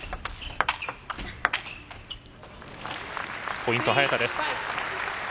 ポイント、早田です。